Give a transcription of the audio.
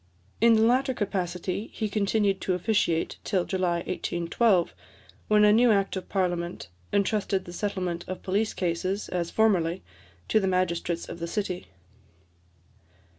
In the latter capacity he continued to officiate till July 1812, when a new Act of Parliament entrusted the settlement of police cases, as formerly, to the magistrates of the city.